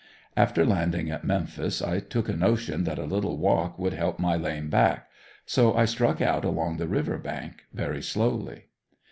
After landing at Memphis I took a notion that a little walk would help my lame back, so I struck out along the river bank, very slowly.